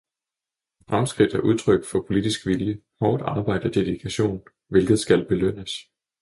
Fremskridt er et udtryk for politisk vilje, hårdt arbejde og dedikation, hvilket skal belønnes.